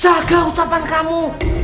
jaga ucapan kamu